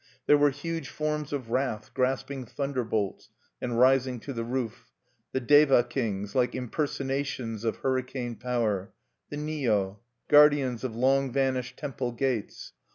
There were huge forms of wrath, grasping thunderbolts, and rising to the roof: the Deva kings, like impersonations of hurricane power; the Ni O, guardians of long vanished temple gates.